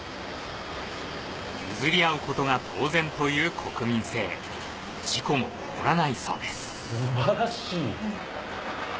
譲り合うことが当然という国民性事故も起こらないそうです